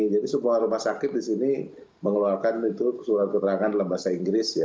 jadi semua rumah sakit di sini mengeluarkan itu surat keterangan dalam bahasa inggris ya